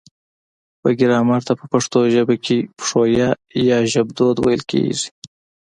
و ګرامر ته په پښتو ژبه کې پښويه يا ژبدود ويل کيږي